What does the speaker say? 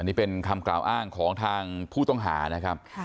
นี่เป็นคำกล่าวอ้างของทางผู้ต้องหานะครับ